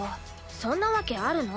そんなわけあるの。